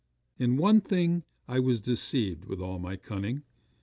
'In one thing I was deceived with all my cunning.